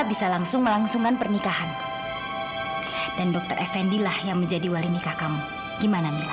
bisa langsung melangsungkan pernikahan dan dokter effendi lah yang menjadi wali nikah kamu gimana mila